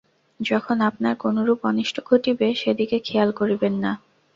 যখন আপনার কোনরূপ অনিষ্ট ঘটিবে, সেদিকে খেয়াল করিবেন না।